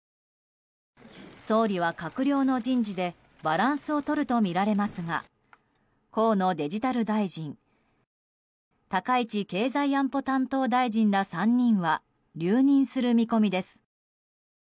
総理は閣僚の人事でバランスをとるとみられますが河野デジタル大臣高市経済安保担当大臣ら３人は留任する見込みです。